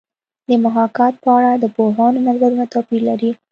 د محاکات په اړه د پوهانو نظرونه توپیر لري